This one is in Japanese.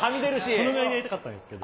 このぐらいでやりたかったんですけど。